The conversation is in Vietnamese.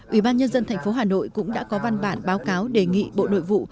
ủy ban nhân dân tp hà nội cũng đã có văn bản báo cáo đề nghị bộ nội vụ